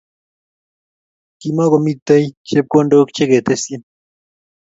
Kimakomitei chepkondok cheketesyin